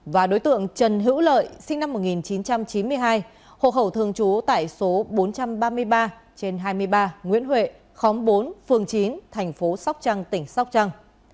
và đối tượng trần hữu lợi sinh năm một nghìn chín trăm chín mươi hai hộ khẩu thường trú tại số bốn trăm ba mươi ba trên hai mươi ba nguyễn huệ khóm bốn phường chín thành phố sóc trăng tỉnh sóc trăng